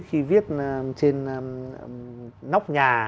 khi viết trên nóc nhà